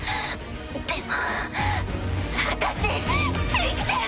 でも私生きてる！